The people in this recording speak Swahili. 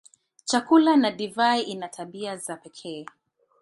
Chakula na divai ina tabia za pekee.